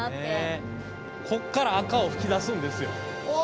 こっから赤を吹き出すんですよ。